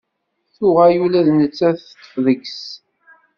Tuɣal ula d nettat teṭṭef deg-s.